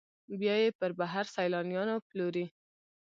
بیا یې پر بهر سیلانیانو پلوري.